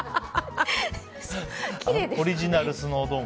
オリジナルスノードーム。